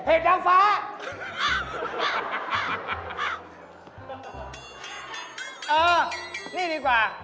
เออนี่ดีกว่า